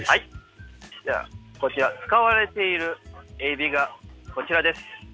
こちら、使われているエビがこちらです。